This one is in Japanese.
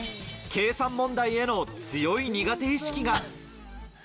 計算問題への強い苦手意識が。